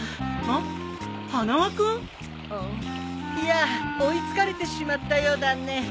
やあ追い付かれてしまったようだね。